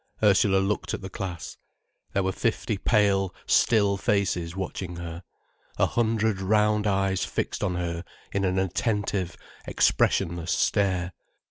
Ursula looked at the class. There were fifty pale, still faces watching her, a hundred round eyes fixed on her in an attentive, expressionless stare.